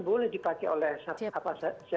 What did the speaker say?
boleh dipakai oleh apa saja